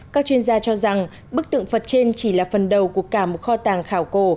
các chuyên gia cho rằng bức tượng phật trên chỉ là phần đầu của cả một kho tàng khảo cổ